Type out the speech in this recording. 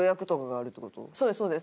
そうですそうです。